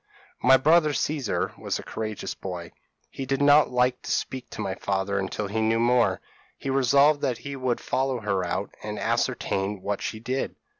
p> "My brother Caesar was a courageous boy; he did not like to speak to my father until he knew more. He resolved that he would follow her out, and ascertain what she did.